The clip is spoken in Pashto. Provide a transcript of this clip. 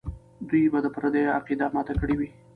دوی به د پردیو عقیده ماته کړې وي.